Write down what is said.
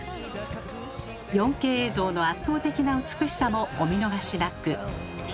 ４Ｋ映像の圧倒的な美しさもお見逃しなく。